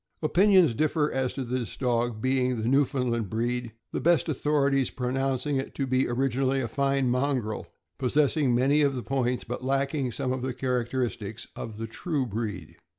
Opinions differ as to this dog being of the Newfoundland breed, the best authorities pronouncing it to be originally a fine mongrel, possessing many of the points, but lacking some of the characteristics, of the true breed.